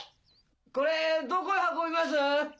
これどこへ運びます？